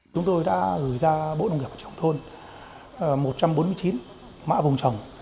chúng tôi đã gửi ra bộ nông nghiệp trồng thôn một trăm bốn mươi chín mã vùng trồng